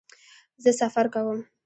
زه سفر کوم